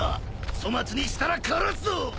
粗末にしたら殺すぞ！